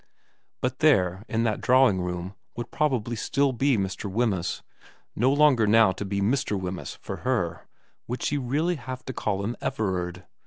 But there in that drawing room would probably still be Mr. Wemyss, no longer now to be Mr. Wemyss for her would she really have to call him Everard